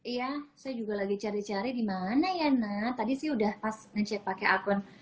iya saya juga lagi cari cari di mana ya na tadi sih udah pas nge chat pakai akun